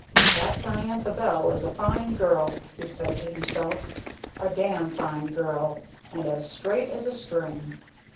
"That Diantha Bell is a fine girl," he said to himself. "A damn fine girl, and as straight as a string!"